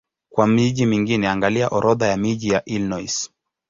Kwa miji mingine angalia Orodha ya miji ya Illinois.